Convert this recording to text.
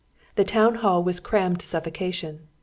The town hall was crammed to suffocation.